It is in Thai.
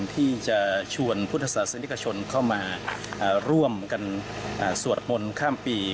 ที่จะชวนพุทธศาสนิกชนเข้ามาร่วมกันสวดมนต์ข้ามปี